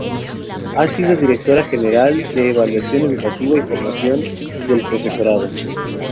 Ha sido Directora General de Evaluación Educativa y Formación del Profesorado.